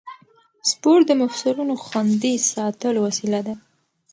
سپورت د مفصلونو خوندي ساتلو وسیله ده.